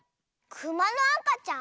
クマのあかちゃん？